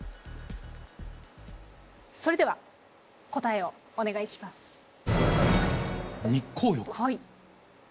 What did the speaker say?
それでは答えをお願いします。